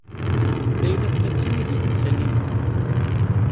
Layla tella d tinigit n Salima.